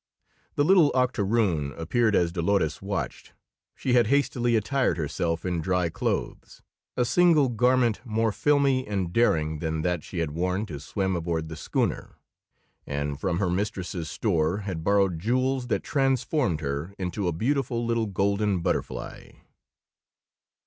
The little octoroon appeared as Dolores watched; she had hastily attired herself in dry clothes, a single garment more filmy and daring than that she had worn to swim aboard the schooner, and from her mistress's store had borrowed jewels that transformed her into a beautiful little golden butterfly.